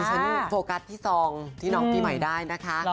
คือฉันโฟกัสที่ทรองที่น้องปีใหม่ได้นะคะ